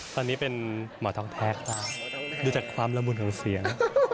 ตอนนี้เป็นหมอทองแท้ดูจากความละมุนของเสียง